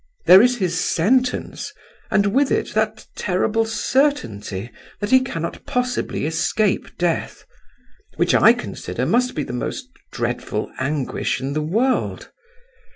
There is his sentence, and with it that terrible certainty that he cannot possibly escape death—which, I consider, must be the most dreadful anguish in the world.